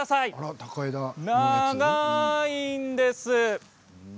長いんです。